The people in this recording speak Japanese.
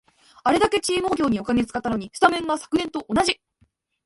あれだけチーム補強にお金使ったのに、スタメンが昨年と同じ